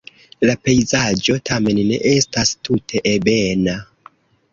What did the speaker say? La pejzaĝo tamen ne estas tute ebena.